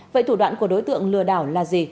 vậy thủ đoạn của đối tượng lừa đảo là gì